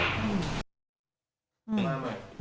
ล่าสุดพันธุ์บริโภคสวัสดีครับ